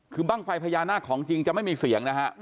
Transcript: คือบั้งไฟพยานาคของจริงจะไม่มีเสียง